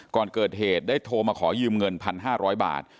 ก่อนเกิดเหตุได้โทรมาขอยืมเงิน๑๕๐๐บาท